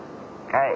はい。